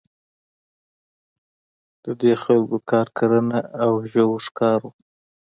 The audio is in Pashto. د دې خلکو کار کرنه او ژویو ښکار وو.